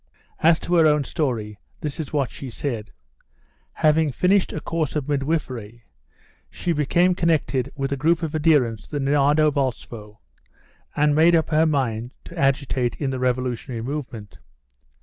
As to her own story, this is what she said: Having finished a course of midwifery, she became connected with a group of adherents to the Nardovolstvo, and made up her mind to agitate in the revolutionary movement.